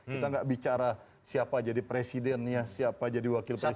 kita nggak bicara siapa jadi presidennya siapa jadi wakil presiden